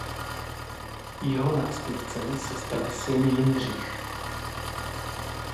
Jeho nástupcem se stal syn Jindřich.